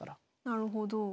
なるほど。